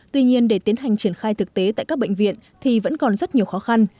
tuy nhiên để tiến hành triển khai thực tế tại các bệnh viện thì vẫn còn rất nhiều khó khăn